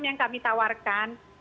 yang kami tawarkan